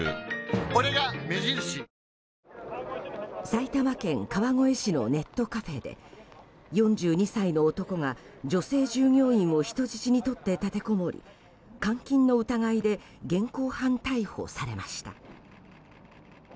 埼玉県川越市のネットカフェで４２歳の男が、女性従業員を人質にとって立てこもり監禁の疑いで現行犯逮捕されました。